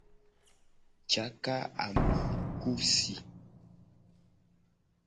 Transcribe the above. Caka ami ku si.